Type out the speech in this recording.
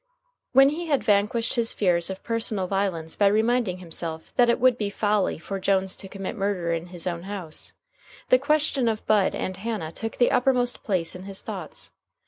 When he had vanquished his fears of personal violence by reminding himself that it would be folly for Jones to commit murder in his own house, the question of Bud and Hannah took the uppermost place in his thoughts.